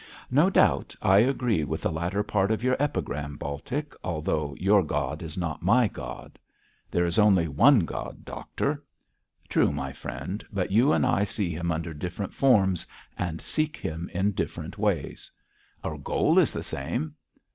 'No doubt I agree with the latter part of your epigram, Baltic, although your God is not my God.' 'There is only one God, doctor.' 'True, my friend; but you and I see Him under different forms, and seek Him in different ways.' 'Our goal is the same!'